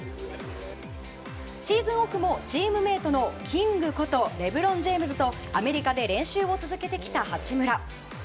シーズンオフもチームメートのキングことレブロン・ジェームズとアメリカで練習を続けてきた八村。